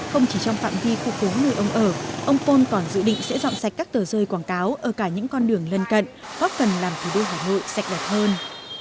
không chỉ trong phạm vi khu phố nơi ông ở ông pôn còn dự định sẽ dọn sạch các tờ rơi quảng cáo ở cả những con đường lân cận góp phần làm thủ đô hà nội sạch đẹp hơn